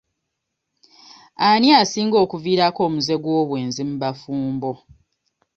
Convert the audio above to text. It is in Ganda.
Ani asinga okuviirako omuze gw'obwenzi mu bafumbo?